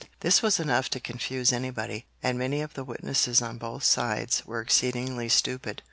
This was enough to confuse anybody, and many of the witnesses on both sides were exceedingly stupid.